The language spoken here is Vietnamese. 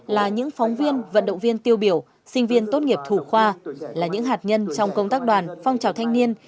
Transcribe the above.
là những phóng viên vận động viên tiêu biểu sinh viên tốt nghiệp thủ khoa là những hạt nhân trong công tác đoàn phong trào thanh niên